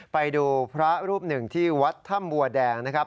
ไปดูพระรูปหนึ่งที่วัดถ้ำบัวแดงนะครับ